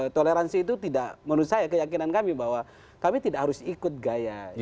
toleransi itu tidak menurut saya keyakinan kami bahwa kami tidak harus ikut gaya